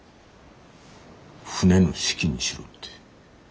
船の資金にしろって。